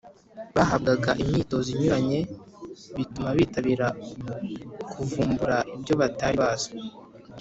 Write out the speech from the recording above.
bahabwa imyitozo inyuranye ituma bitabira kuvumbura ibyo batari bazi